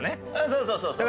そうそうそうそう。